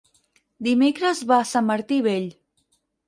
Dimecres va a Sant Martí Vell.